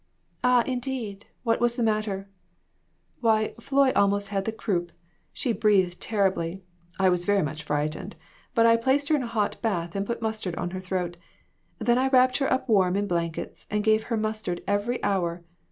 " Ah, indeed ; what was the matter ?" "Why, Floy almost had the croup. She breathed terribly. I was very much frightened, but I placed her in a hot bath and put mustard on her throat. Then I wrapped her up warm in blankets, and gave her mustard every hour.